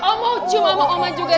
oh mau cua sama oma juga